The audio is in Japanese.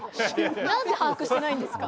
なんで把握してないんですか。